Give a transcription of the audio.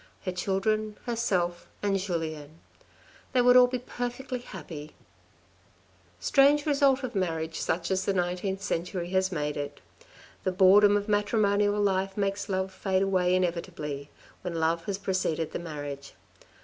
Her children, herself, and Julien ! They would be all perfectly happy ! Strange result of marriage such as the nineteenth century has made it ! The boredom of matrimonial life makes love fade away inevitably, when love has preceded the marriage.